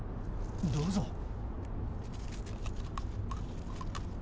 どうぞ。